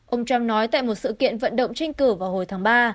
ông trump nói tại một sự kiện vận động tranh cử vào hồi tháng ba